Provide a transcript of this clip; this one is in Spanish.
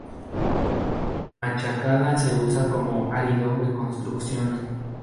Machacada se usa como árido de construcción.